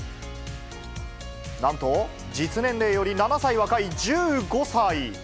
なんと、実年齢より７歳若い１５歳。